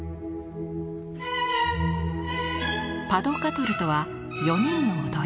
パ・ド・カトルとは「４人の踊り」。